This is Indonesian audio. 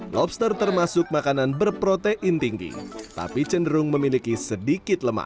lobster termasuk makanan berprotein tinggi tapi cenderung memiliki sedikit lemak